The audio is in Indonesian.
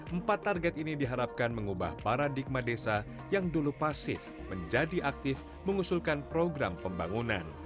empat target ini diharapkan mengubah paradigma desa yang dulu pasif menjadi aktif mengusulkan program pembangunan